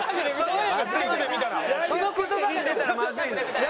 その言葉が出たらまずいのよ。